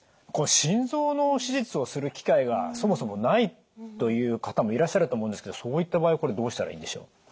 これ心臓の手術をする機会がそもそもないという方もいらっしゃると思うんですけどそういった場合これどうしたらいいんでしょう？